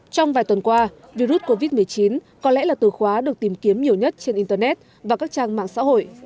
trong vài tuần qua virus covid một mươi chín có lẽ là từ khóa được tìm kiếm nhiều nhất trên internet và các trang mạng xã hội